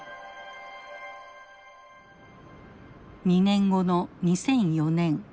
２年後の２００４年。